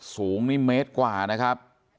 สูงนี่เมตรกว่านะครับ